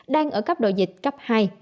đang ở cấp độ dịch cấp hai